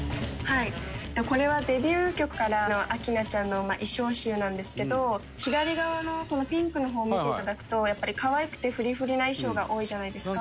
「これはデビュー曲からの明菜ちゃんの衣装集なんですけど」「左側のこのピンクの方を見ていただくとやっぱり可愛くてフリフリな衣装が多いじゃないですか」